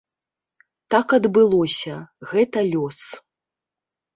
Так адбылося, гэта лёс.